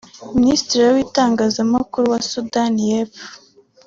Minisitiri w’itangazamakuru wa Sudani y’Epfo